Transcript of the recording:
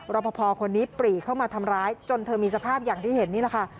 รอปภคนนี้ปรีเข้ามาทำร้ายจนเธอมีสภาพอย่างที่เห็นนี่แหละค่ะ